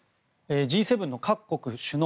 Ｇ７の各国首脳